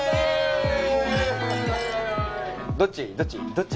どっち？